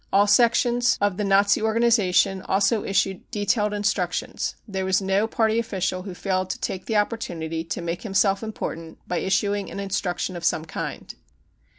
All sections of the Nazi or ganisation also issued detailed instructions ; there was no party official who failed to take the opportunity to make himself important by issuing an instruction of some kind.